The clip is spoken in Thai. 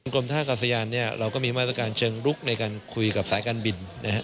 กลมท่ากับสยานเราก็มีมาตรการเชิงรุกในการคุยกับสายการบิน